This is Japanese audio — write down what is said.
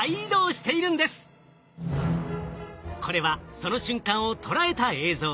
これはその瞬間を捉えた映像。